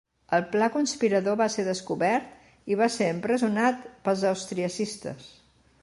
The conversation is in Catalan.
El pla conspirador va ser descobert i va ser empresonat pels austriacistes.